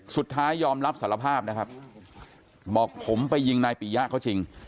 สุดท้ายยอมรับสารภาพนะครับบอกผมไปยิงนายปียะเขาจริง